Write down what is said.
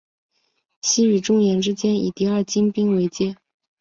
西与中延之间以第二京滨为界。